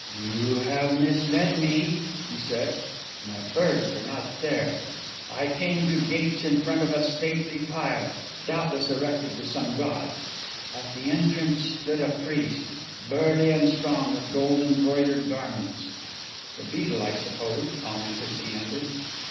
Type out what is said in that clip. "You have misled me," she said. "My birds are not there. I came to gates in front of a stately pile doubtless erected to some god; at the entrance stood a priest, burly and strong, with gold embroidered garments " ("The beadle, I suppose," commented Leander.)